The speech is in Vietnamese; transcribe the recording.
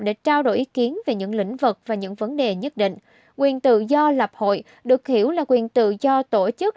để trao đổi ý kiến về những lĩnh vực và những vấn đề nhất định quyền tự do lập hội được hiểu là quyền tự do tổ chức